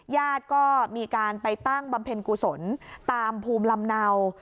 ญาติก็มีการไปตั้งบำเพ็ญกุศลตามภูมิลำเนา